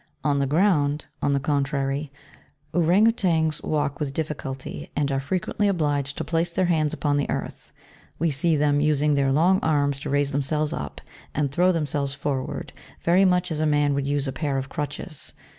On the ground, on the contrary, Ourang Outangs walk with difficulty, and are fre quently obliged to place their hands upon the earth ; we see them, using their long arms to raise themselves up, and throw them selves forward, very much as a man would use a pair of crutches.